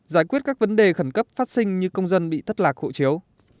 giải quyết các vấn đề khẩn cấp phát sinh như công dân bị thất lạc hộ chiếu